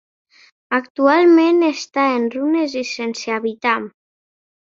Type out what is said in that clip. Actualment està en runes i sense habitar.